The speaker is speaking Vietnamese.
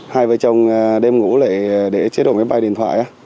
hai vợ chồng đêm ngủ lại để chế độ máy bay điện thoại